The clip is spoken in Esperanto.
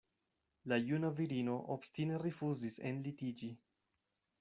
La juna virino obstine rifuzis enlitiĝi.